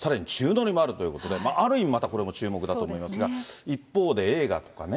さらに宙乗りもあるということで、ある意味またこれも注目だと思いますが、一方で、映画とかね。